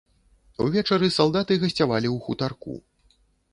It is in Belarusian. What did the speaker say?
Увечары салдаты гасцявалі ў хутарку.